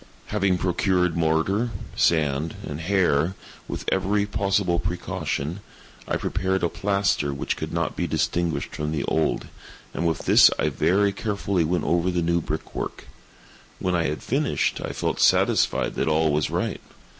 Having procured mortar, sand, and hair, with every possible precaution, I prepared a plaster which could not be distinguished from the old, and with this I very carefully went over the new brickwork. When I had finished, I felt satisfied that all was right.